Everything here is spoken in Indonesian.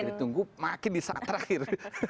ditunggu makin di saat terakhir